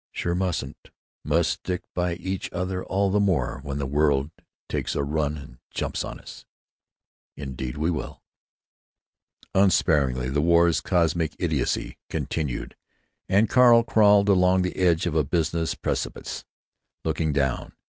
"Sure mustn't. Must stick by each other all the more when the world takes a run and jumps on us." "Indeed we will!" Unsparingly the war's cosmic idiocy continued, and Carl crawled along the edge of a business precipice, looking down.